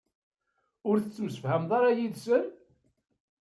Ur tettemsefhameḍ ara yid-sen?